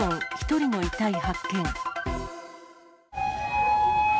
１人の遺体発見。